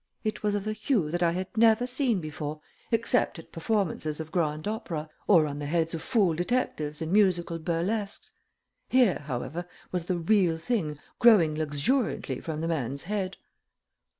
It was of a hue that I had never seen before except at performances of grand opera, or on the heads of fool detectives in musical burlesques. Here, however, was the real thing growing luxuriantly from the man's head.